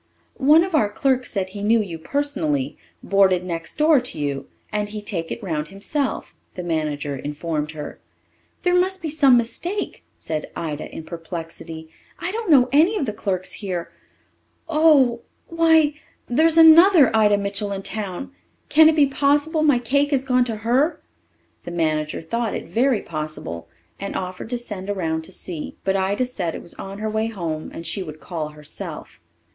"One of our clerks said he knew you personally boarded next door to you and he'd take it round himself," the manager informed her. "There must be some mistake," said Ida in perplexity. "I don't know any of the clerks here. Oh why there's another Ida Mitchell in town! Can it be possible my cake has gone to her?" The manager thought it very possible, and offered to send around and see. But Ida said it was on her way home and she would call herself.